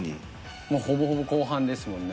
もうほぼほぼ後半ですもんね。